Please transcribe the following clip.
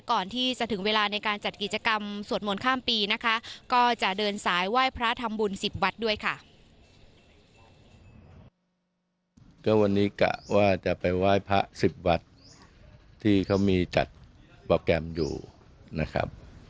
ก็วันนี้กะว่าจะไปไหว้พระสิบวัดที่เขามีจัดโปรแกรมอยู่นะครับ